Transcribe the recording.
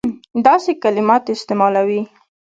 داسي کلمات استعمالوي.